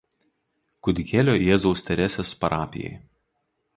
Kūdikėlio Jėzaus Teresės parapijai.